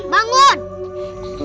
bangun kak bangun